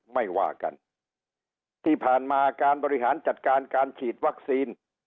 ไม่ว่ากันที่ผ่านมาการบริหารจัดการการฉีดวัคซีน